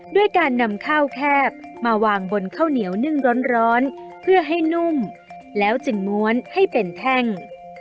ด้วยการนำข้าวแคบมาวางบนข้าวเหนียวนึ่งร้อนเพื่อให้นุ่มแล้วจึงม้วนให้เป็นแท่ง